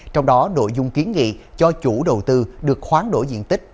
trong đó nội dung kiến nghị cho chủ đầu tư được khoáng đổi diện tích